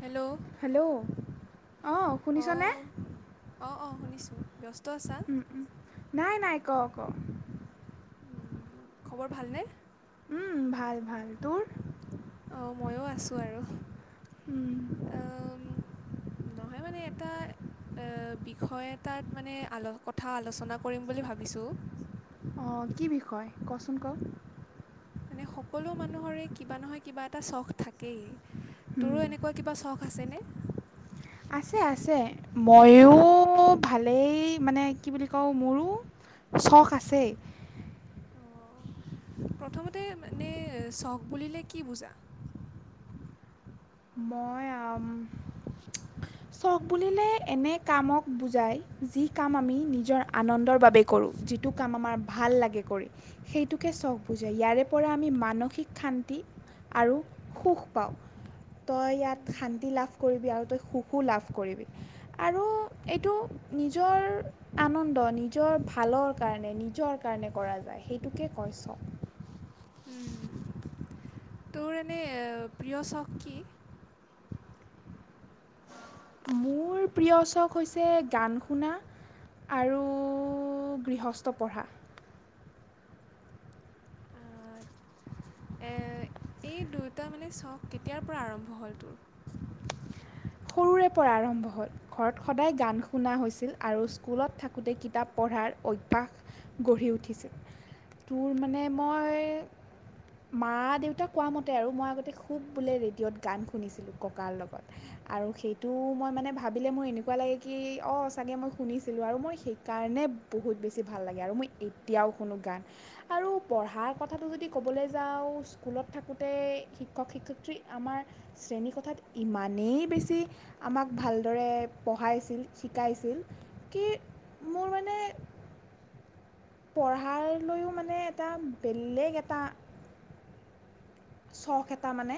Hello hello অ' শুনিছনে ত' উম উম নাই নাই কং ক খবৰ ভালনে? উম ভাল ভাল তোৰ অ' ময়ো আছো আৰু উম। আম, নহয় মানে এটা বিষয় এটাত মানে কথা আলোচনা কৰিম বুলি ভাবিছোঁ। অ' কি বিষয় কচোন কওক মানে সকলো মানুহৰে কিবা নহয় কিবা এটা চখ থাকেই তোৰো এনেকুৱা কিবা চখ আছে ন! আছে আছে ময়ো ভালেই মানে কি বুলি কওঁ মোৰো চখ আছেই অ' প্ৰথমতে মানে চখ বুলিলে কি বুজা মই চখ বুলিলে এনে কামক বুজায় যি কাম আমি নিজৰ আনন্দৰ বাবে কৰোঁ যিটো কাম আমাৰ ভাল লাগে কৰি সেইটোকে চখ বুজায় ইয়াৰে পৰা আমি মানসিক শান্তি আৰু সুখ পাওঁ তই ইয়াত শান্তি লাভ কৰিবি আৰু তই সু লাভ কৰিবি আৰু এইটো নিজৰ আনন্দ নিজৰ ভালৰ কাৰণে নিজৰ কাৰণে কৰা যায় সেইটোকে কৈছ উম তোৰ এনে প্ৰিয় চখ কি? মোৰ প্ৰিয় চখ হৈছে গান শুনা আৰু গৃহস্থ পঢ়া। আ, এ এই দুয়োটা মানে চখ কেতিয়াৰ পৰা আৰম্ভ হ'ল তোৰ সৰুৰে পৰা আৰম্ভ হ'ল ঘৰত সদায় গান শুনা হৈছিল আৰু স্কুলত থাকোঁতে কিতাপ পঢ়াৰ অভ্যাস গঢ়ি উঠিছিল তোৰ মানে মই মা দেউতাক কোৱা মতে আৰু মই আগতে খুব বোলে ৰেডিঅ'ত গান শুনিছিলোঁ ককাৰ লগত আৰু সেইটো মই মানে ভাবিলে মোৰ এনেকুৱা লাগে কি অঁ চাগৈ মই শুনিছিলোঁ আৰু মই সেইকাৰণে বহুত বেছি ভাল লাগে আৰু মই এতিয়াও শুনো গান আৰু পঢ়াৰ কথাটো যদি ক'বলৈ যাওঁ স্কুলত থাকোঁতে শিক্ষক শিক্ষয়িত্ৰী আমাৰ শ্ৰেণীৰকথাত ইমানেই বেছি আমাক ভালদৰে পঢ়াইছিল শিকাইছিল কি মোৰ মানে পঢ়াৰ লৈও মানে এটা বেলেগ এটা চখ এটা মানে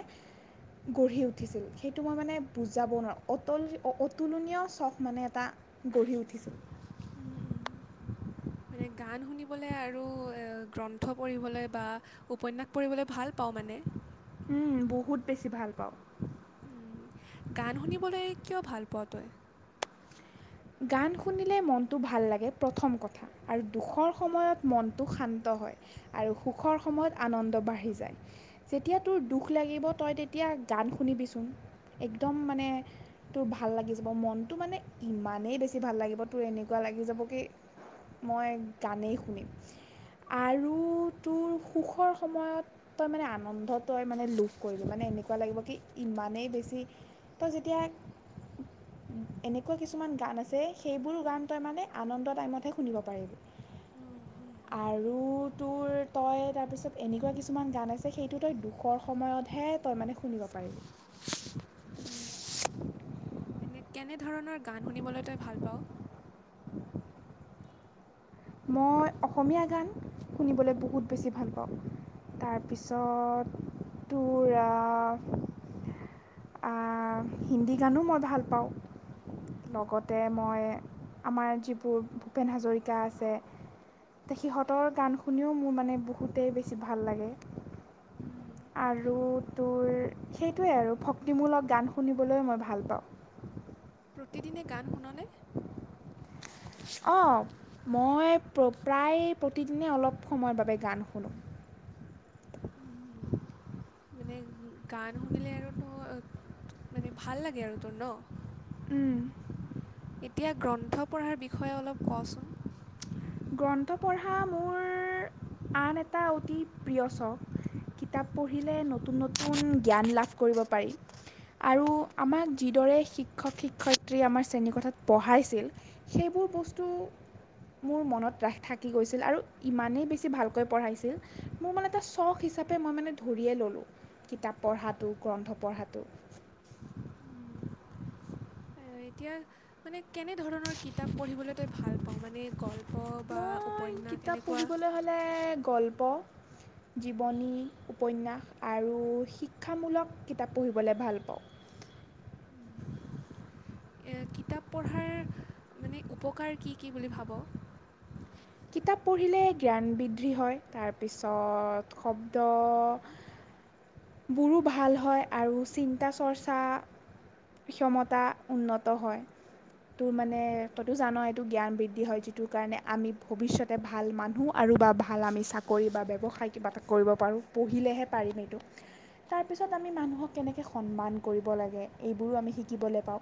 গঢ়ি উঠিছিল সেইটো মই মানে বুজাব নোৱাৰোঁ অতল অতুলনীয় চখ মানে এটা গঢ়ি উঠিছিল মানে গান শুনিবলৈ আৰু গ্ৰন্থ পঢ়িবলৈ বা উপন্যাস পঢ়িবলৈ ভাল পাওঁ মানে বহুত বেছি ভাল পাওঁ গান শুনিবলৈ কিয় ভাল পোৱা তুমি গান শুনিলে মনটো ভাল লাগে প্ৰথম কথা আৰু দুখৰ সময়ত মনটো শান্ত হয় আৰু সুখৰ সময়ত আনন্দ বাঢ়ি যায় যেতিয়া তোৰ দুখ লাগিব তই তেতিয়া গান শুনিবিচোন একদম মানে তোৰ ভাল লাগি যাব মনটো মানে ইমান এই বেছি ভাল লাগিব তোৰ এনেকুৱা লাগি যাব কি মই গানেই শুনিম আৰু তোৰ সুখৰ সময়ত তই মানে আনন্দত তই মানে লোভ কৰিবি মানে যেতিয়া এনেকুৱা কিছুমান গান আছে সেইবোৰ গান তই মানে আনন্দ টাইমতহে শুনিব পাৰিবি অ হয় হয় আৰু তোৰ তই তাৰপিছত এনেকুৱা কিছুমান গান আছে সেইটো তই দুখৰ সময়তহে তই মানে শুনিব পাৰিবি এনে কেনেধৰণৰ গান শুনিবলৈ তই ভাল পাওঁ মই অসমীয়া গান শুনিবলৈ বহুত বেছি ভাল পাওঁ তাৰপিছত তোৰ হিন্দী গানো মই ভাল পাওঁ লগতে মই আমাৰ যিবোৰ ভূপেন হাজৰিকা আছে সিহঁতৰ গান শুনিও মোৰ মানে বহুতেই বেছি ভাল লাগে উম, আৰু তোৰ সেইটোৱেই আৰু ভক্তিমূলক গান শুনিবলৈ মই ভাল পাওঁ প্ৰতিদিনে গান শুননে অ' মই প্ৰায় প্ৰতিদিনে অলপ সময়ৰ বাবে গান শুনো উম [unintelligible] মানে উম গান শুনিলে আৰু তোৰ মানে ভাল লাগে আৰু তোৰ ন উম এতিয়া গ্ৰন্থ পঢ়াৰ বিষয়ে অলপ কচোন গ্ৰন্থ পঢ়া মোৰ আন এটা অতি প্ৰিয় চখ৷কিতাপ পঢ়িলে নতুন নতুন জ্ঞান লাভ কৰিব পাৰি আৰু আমাক যিদৰে শিক্ষক শিক্ষয়িত্ৰী আমাৰ শ্ৰেণীকোথাত পঢ়াইছিল সেইবোৰ বস্তু মোৰ মনত ৰাস থাকি গৈছিল আৰু ইমানেই বেছি ভালকৈ পঢ়াইছিল মোৰ মানে এটা চখ হিচাপে মই মানে ধৰিয়েই ল'লোঁ কিতাপ পঢ়াটো গ্ৰন্থ পঢ়াটো উম, এতিয়া মানে কেনেধৰণৰ কিতাপ পঢ়িবলৈ তই ভাল পাওঁ মানে গল্প বা মই উপন্যাস কিতাপ এনেকুৱা পঢ়িবলৈ হ'লে গল্প জীৱনী উপন্যাস আৰু শিক্ষামূলক কিতাপ পঢ়িবলৈ ভাল পাওঁ কিতাপ পঢ়াৰ মানে উপকাৰ কি কি বুলি ভাব কিতাপ পঢ়িলে জ্ঞান বৃদ্ধি হয় তাৰপিছত শব্দ বোৰো ভাল হয় আৰু চিন্তা চৰ্চা ক্ষমতা উন্নত হয় তোৰ মানে তইতো জান এইটো জ্ঞান বৃদ্ধি হয় যিটোৰ কাৰণে আমি ভৱিষ্যতে ভাল মানুহ আৰু বা ভাল আমি চাকৰি বা ব্যৱসায় কিবা এটা কৰিব পাৰোঁ পঢ়িলেহে পাৰিম এইটো তাৰপিছত আমি মানুহক কেনেকৈ সন্মান কৰিব লাগে এইবোৰো আমি শিকিবলে পাওঁ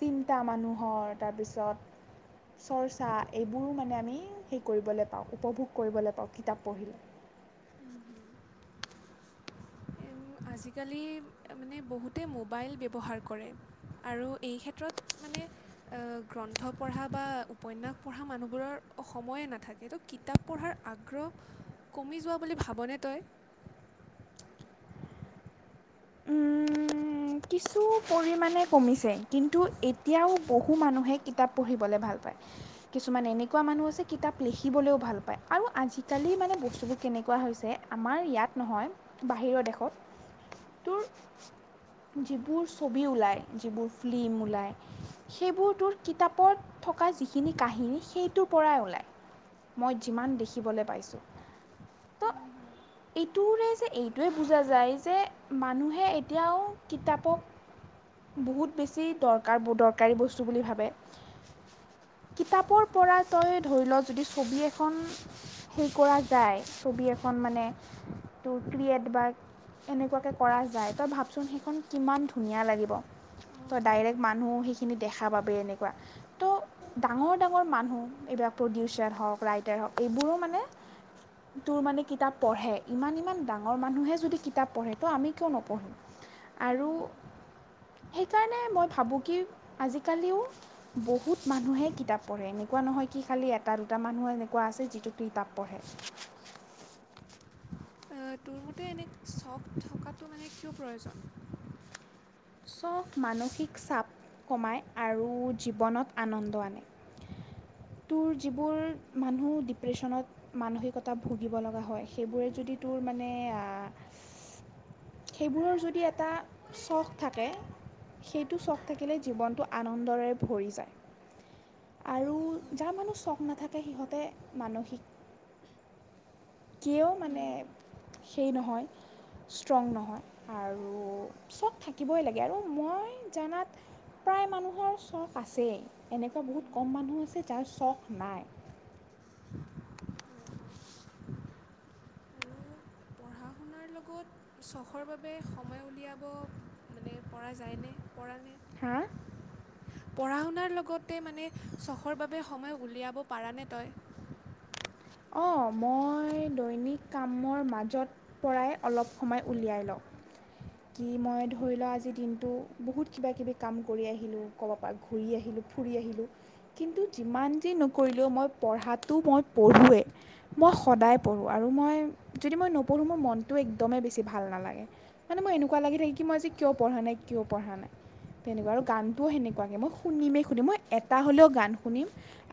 চিন্তা মানুহৰ তাৰপিছত চৰ্চা এইবোৰো মানে আমি সেই কৰিবলৈ পাওঁ উপভোগ কৰিবলে পাওঁ কিতাপ পঢ়িলে আজিকালি মানে বহুতে মোবাইল ব্যৱহাৰ কৰে আৰু এই ক্ষেত্ৰত মানে গ্ৰন্থ পঢ়া বা উপন্যাস পঢ়া মানুহবোৰৰ সময়ে নাথাকে ত' কিতাপ পঢ়াৰ আগ্ৰহ কমি য ভাবনে তই কিছু পৰিমাণে কমিছে কিন্তু এতিয়াও বহু মানুহে কিতাপ পঢ়িবলৈ ভাল পায় কিছুমান এনেকুৱা মানুহ আছে কিতাপ লিখিবলৈও ভাল পায় আৰু আজিকালি মানে বস্তুবোৰ কেনেকুৱা হৈছে আমাৰ ইয়াত নহয় বাহিৰৰ দেশত তোৰ যিবোৰ ছবি ওলায় যিবোৰ ফিল্ম ওলায় সেইবোৰ তোৰ কিতাপত থকা যিখিনি কাহিনী সেইটোৰ পৰাই ওলায় মই যিমান দেখিবলৈ পাইছোঁ ত উম হুম। এইটোৰে যে এইটোৱে বুজা যায় যে মানুহে এতিয়াও কিতাপক বহুত বেছি দৰকাৰ দৰকাৰী বস্তু বুলি ভাবে কিতাপৰ উম, পৰা তই ধৰি ল যদি ছবি এখন হেৰি কৰা যায় ছবি এখন মানে তোৰ ক্ৰিয়েট বা এনেকুৱাকে কৰা যায় তই ভাবচোন সেইখন কিমান ধুনীয়া লাগিব অ' ত হয় ডাইৰেক্ট হয়। মানুহ সেইখিনি দেখা পাব এনেকে ত' ডাঙৰ ডাঙৰ মানুহ এইবিলাক প্ৰডিউচাৰ হওক ৰাইটাৰ হওক এইবোৰো মানে তোৰ মানে কিতাপ পঢ়ে ইমান ইমান ডাঙৰ মানুহে যদি কিতাপ পঢ়ে তো আমি কিয় নপঢ়িম উম আৰু। হুম। সেইকাৰণে মই ভাবোঁ কি আজিকালিও বহুত মানুহে কিতাপ পঢ়ে এনেকুৱা নহয় কি খালি এটা দুটা মানুহো এনেকুৱা আছে যিটো কিতাপ পঢ়ে। তোৰ মতে এনে চখ থকাটো মানে কিয় প্ৰয়োজন। চখ মানসিক চাপ কমায় আৰু জীৱনত আনন্দ আনে তোৰ যিবোৰ উম, মানুহ ডিপ্ৰেশ্যনত মানসিকতা ভুগিব লগা হয় সেইবোৰে যদি তোৰ মানে সেইবোৰৰ যদি এটা চখ। থাকে সেইটো চখ থাকিলে জীৱনটো আনন্দৰে ভৰি যায়। আৰু হয় যাৰ মানুহ চখ নাথাকে। ত সিহঁতে মানসিক। কিয় মানে। উম, সেই নহয় ষ্ট্ৰং নহয় আৰু চখ থাকিবই লাগে আৰু মই জনাত প্ৰায় মানুহৰ চখ আছেই। এনেকুৱা হুম বহুত হুম কম মানুহ আছে যাৰ চখ। নাই। হয় হয়। আৰু পঢ়া শুনাৰ লগত, চখৰ বাবে সময় উলিয়াব মানে পৰা যায় নে পৰা নে হা? পঢ়া শুনাৰ লগতে মানে চখৰ বাবে, সময় উলিয়াব পাৰানে তই? অঁ, মই দৈনিক কামৰ মাজত পৰাই অলপ সময় উলিয়াই লওঁ। কি মই ধৰি লোৱা আজিৰ দিনটো বহুত কিব কিবি কাম কৰি আহিলোঁ, ক'বা পৰা ঘূৰি আহিলোঁ, ফুৰি আহিলোঁ কিন্তু যিমান যি নকৰিলেও মই পঢ়াটো মই পঢ়োৱেই। [unintelligible] মই হুম সদায় হুম পঢ়োঁ, আৰু মই যদি মই নপঢ়োঁ মোৰ মনটো একদমেই বেছি ভাল নালাগে, মানে মই এনেকুৱা লাগি থাকে কি মই আজি কিয় পঢ়া নাই কিয় পঢ়া নাই তেনেকুৱা আৰু গানটোও সেনেকুৱাকে মই শুনিমেই শুনিম, মই এটা হ'লেও গান শুনিম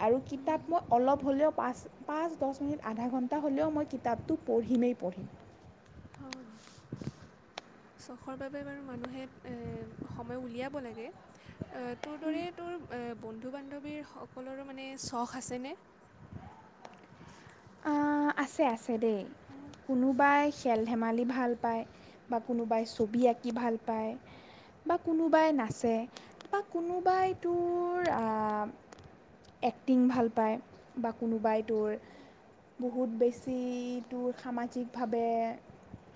আৰু হুম কিতাপ হুম মই অলপ হ'লেও পাছ পাঁচ দহ মিনিট, আধা ঘণ্টা হ'লেও মই কিতাপটো পঢ়িমেই পঢ়িম। হয় চ'খৰ বাবে বাৰু মানুহে এই সময় উলিয়াব লাগে। এ তোৰ দৰে তোৰ এ বন্ধু বান্ধৱীৰ সকলৰো মানে চখ আছেনে? অঁ আছে আছে দেই, কোনোবাই খেল ধেমালি ভাল পায় বা কোনোবাই ছবি আঁকি ভাল পায়, বা কোনোবাই নাচে বা কোনোবাই তোৰ আঁ এক্টিং ভাল পায় বা কোনোবাই তোৰ বহুত বেছি তোৰ সামাজিকভাৱে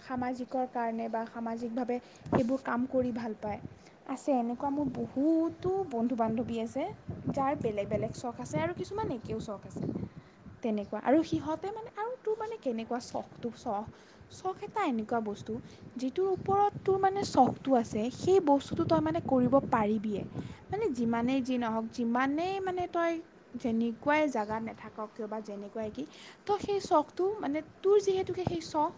সামাজিকৰ কাৰণে বা সামাজিকভাৱে সেইবোৰ কাম কৰি ভাল পায়। আছে, হুম এনেকুৱা হুম মোৰ বহুত টো বন্ধু বান্ধৱী আছে যাৰ বেলেগ বেলেগ চ'খ আছে আৰু কিছুমান একেও চ'খ আছে তেনে কোৱা আৰু সিহঁতে মানে আৰু তোৰ মানে কেনেকুৱা চখটো চখ, চখ এটা এনেকুৱা বস্তু যিটোৰ ওপৰত তোৰ মানে চখটো আছে, সেই বস্তুটো তই মানে কৰিব পাৰিবিয়ে। মানে হুম হুম যিমানেই যি নহওক যিমানেই মানে তই যেনেকুৱাই জোগাত নেথাক। [unintelligible] বা যেনে কই কি, তই সেই চখটো মানে তোৰ যিহেতুকে সেই চখ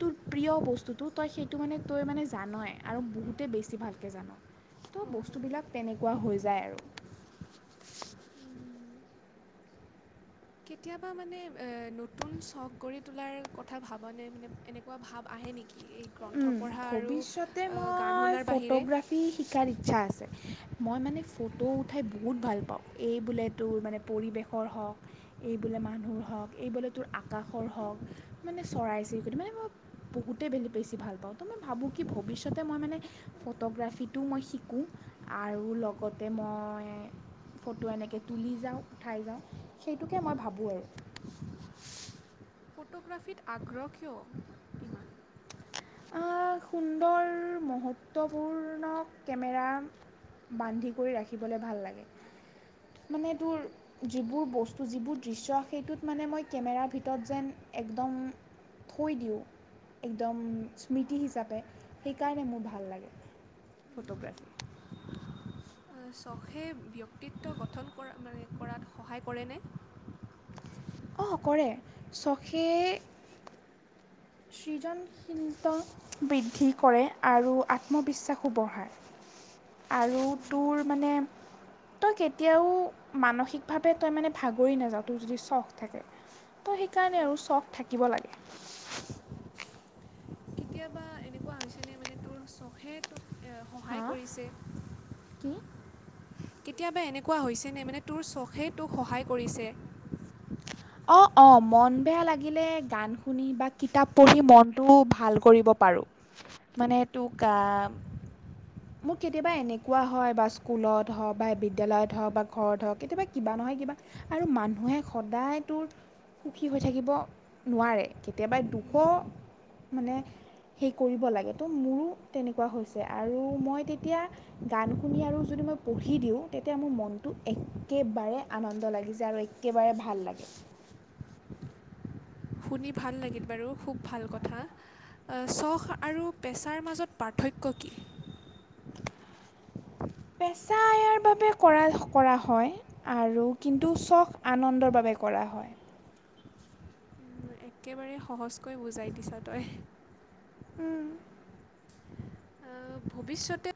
তোৰ প্ৰিয় বস্তুটো তই সেইটো মানে তই মানে জানই আৰু বহুতেই বেছি ভালকে জান। ত' হয় হয় বস্তুবিলাক তেনেকুৱা হৈ যায় আৰু। উম, কেতিয়াবা মানে এ নতুন চখ গঢ়ি তোলাৰ কথা ভাবনে, মানে এনেকুৱা ভাৱ আহে নেকি। এই গ্ৰন্থ উম, পঢ়া আৰু ভৱিষ্যতে আ, গান মই শুনাৰ বাহিৰে ফ'টোগ্ৰাফী শিকাৰ ইচ্ছা আছে। মই মানে ফ'টো উঠাই বহুত ভাল পাওঁ। এই বোলে তোৰ মানে পৰিৱেশৰ হওক, এই বোলে মানুহৰ হওক, এই বোলে তোৰ আকাশৰ হওক, মানে চৰাই-চিৰিকটি মানে মই বহুতেই [unintelligible] বেছি ভাল পাওঁ। ত' মই ভাবোঁ কি ভৱিষ্যতে মই মানে ফ'টোগ্ৰাফীটো মই শিকোঁ আৰু লগতে মই ফ'টো এনেকে তুলি যাওঁ, উঠাই যাওঁ, সেইটোকে মই ভাবোঁ আৰু। ফ'টোগ্ৰাফীত আগ্ৰহ কিয় ইমান? সুন্দৰ মহত্বপূৰ্ণ কেমেৰা বান্ধি কৰি ৰাখিবলৈ ভাল লাগে মানে তোৰ যিবোৰ বস্তু যিবোৰ দৃশ্য সেইটোত মানে মই কেমেৰাৰ ভিতৰত যেন একদম থৈ দিওঁ একদম স্মৃতি হিচাপে সেইকাৰণে মোৰ ভাল লাগে। ফটোগ্ৰাফী চখে ব্যক্তিত্ব গঠন কৰাত সহায় কৰেনে, অ' কৰে চখে সৃজনশীলতা বৃদ্ধি কৰে আৰু আত্মবিশ্বাসো বঢ়ায় আৰু তোৰ মানে তই কেতিয়াও মানসিকভাৱে তই মানে ভাগৰি নাযাওঁ তোৰ যদি চখ থাকে, ত' সেইকাৰণে আৰু হয় চখ থাকে শিকিব লাগে কেতিয়াবা এনেকুৱা হৈছে ন মানে তোৰ চখে তোক হা সহায় কৰিছে কি? কেতিয়াবা এনেকুৱা হৈছেনে মানে তোৰ চখে তোক সহায় কৰিছে। অ', অ', মন বেয়া লাগিলে গান শুনি বা কিতাপ পঢ়ি মনটো ভাল কৰিব পাৰোঁ। মানে তোক, মোৰ কেতিয়াবা এনেকুৱা হয় বা স্কুলত হওক বা বিদ্যালয়ত হওক বা ঘৰত হওক কেতিয়াবা কিবা নহয় কিবা আৰু মানুহে সদায় তোৰ সুখী হৈ থাকিব নোৱাৰে। কেতিয়াবা দুক মানে সেই কৰিব লাগে, তো মোৰো তেনেকুৱা হৈছে আৰু মই তেতিয়া গান শুনি আৰু যদি মই পঢ়ি দি, ওঁ তেতিয়া মোৰ মনটো একেবাৰে আনন্দ লাগি যায় আৰু একেবাৰে ভাল লাগে। শুনি ভাল লাগিল বাৰু খুব ভাল কথা। চখ আৰু পেচাৰ মাজত পাৰ্থক্য কি? পেচা আয়াৰ বাবে কৰা-কৰা হয় আৰু কিন্তু চখ আনন্দৰ বাবে কৰা হয়। উম, একেবাৰে সহজ কৈ বুজাই দিছ তই। অ', ভৱিষ্যতে